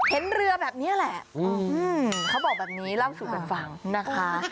เห็นเรือแบบเนี้ยแหละเขาบอกแบบนี้ล่าวสูตรกันฝั่งนะคะ